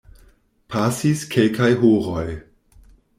Pasis kelkaj horoj.